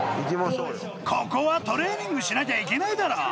ここはトレーニングしなきゃいけないだろう